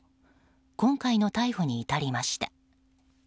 今回の逮捕に至りました。